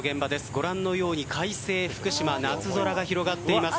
ご覧のように快晴、福島は夏空が広がっています。